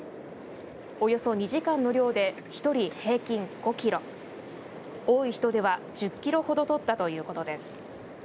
およそ２時間の漁で１人平均５キロ多い人では１０キロほど取ったということです。